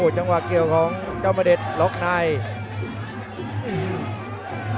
จังหวะเกี่ยวของก้าวพะเดชน์ล็อคไนต์